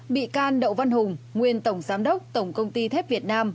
bị can đậu văn hùng nguyên tổng giám đốc tổng công ty thép việt nam